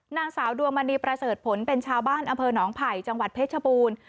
นางสาวดวงมณีประเสริฐผลเป็นชาวบ้านอำเภอหนองไผ่จังหวัดเพชรชบูรณ์